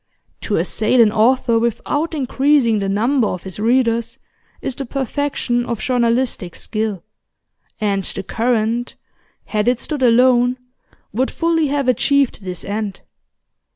To assail an author without increasing the number of his readers is the perfection of journalistic skill, and The Current, had it stood alone, would fully have achieved this end.